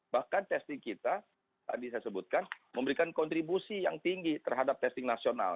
bahkan testing kita tadi saya sebutkan memberikan kontribusi yang tinggi terhadap testing nasional